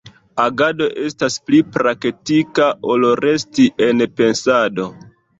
Agado estas pli praktika ol resti en pensado.